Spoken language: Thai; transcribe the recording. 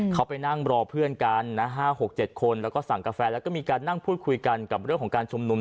เขาไปนั่งรอเพื่อนกันนะ๕๖๗คนแล้วก็สั่งกาแฟแล้วก็มีการนั่งพูดคุยกันกับเรื่องของการชุมนุม